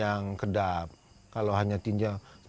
yang kedap kalau hanya tinjau